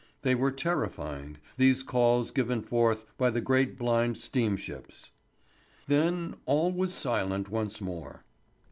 They were terrifying, these calls given forth by the great blind steam ships. Then all was silent once more.